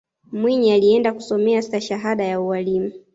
mwinyi alienda kusomea stashahada ya ualimu